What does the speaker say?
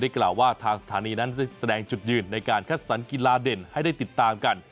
กล่าวว่าทางสถานีนั้นแสดงจุดยืนในการคัดสรรกีฬาเด่นให้ได้ติดตามกัน